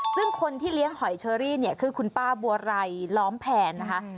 ซึ่งคนที่เลี้ยงหอยเชอรี่เนี่ยคือคุณป้าบัวไรล้อมแผนนะคะ